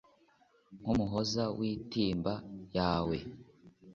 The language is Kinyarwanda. nkumuhoza wintimba yawe